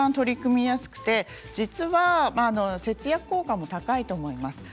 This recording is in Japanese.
５つの中だといちばん取り組みやすくて実は節約効果も高いと思います。